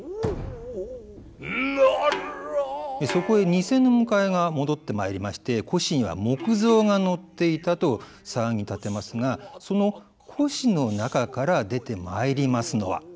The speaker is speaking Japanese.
そこへ贋の迎えが戻ってまいりまして輿には木像が乗っていたと騒ぎ立てますがその輿の中から出てまいりますのは。